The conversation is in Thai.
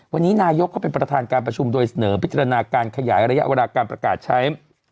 วันนี้นายกก็เป็นประธานการประชุมโดยเสนอพิจารณาการขยายระยะเวลาการประกาศใช้